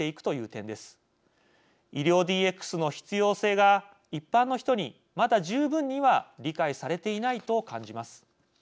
医療ＤＸの必要性が一般の人にまだ十分には理解されていないと感じます。